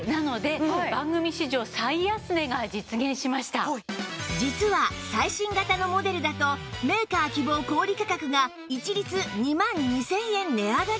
今回は実は最新型のモデルだとメーカー希望小売価格が一律２万２０００円値上がりしています